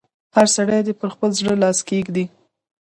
هر سړی دې پر خپل زړه لاس کېږي.